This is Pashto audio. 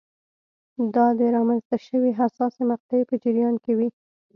دا د رامنځته شوې حساسې مقطعې په جریان کې وې.